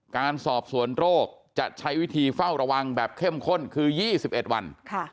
การสอบสวนโรคจะใช้วิธีเฝ้าระวังแบบเข้มข้นคือ๒๑วัน